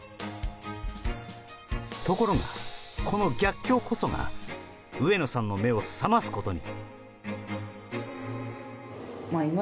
ところが、この逆境こそが上野さんの目を覚ますことに。